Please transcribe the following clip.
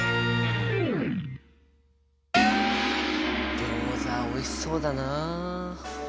ギョーザおいしそうだなあ。